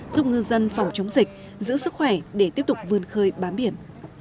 giúp ngư dân phòng chống dịch giữ sức khỏe để tiếp tục vươn khơi bám biển